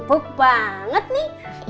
buk banget nih